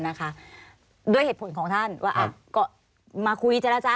นะฮะโดยเหตุผลของท่านว่าอั๊ะก็มาคุยให้จัยละจ้า